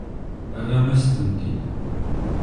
Terram-as-tent-id.